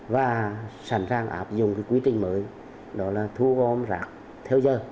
và sẵn sàng áp dụng cái quy trình mới đó là thu gom rác theo giờ